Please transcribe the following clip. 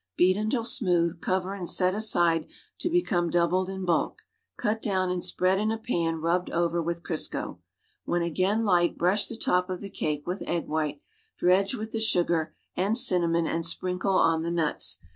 Beat until smooth, cover and set aside to become doubled in bulk; cut down and spread i'ii a pan rubbed o\'er witli Crisco, AVhen again light brush the lop of llie cake with egg white, dredge with the sugar and cinnamon and sprinkle on the. nuts.